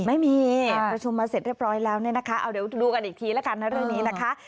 ประชุมมาเสร็จเรียบร้อยแล้วเอ้าเดี๋ยวดูกันอีกทีละกันในเรื่องนี้นะคะ